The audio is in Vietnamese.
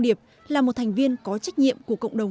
để đảm bảo họ đang ở phía trước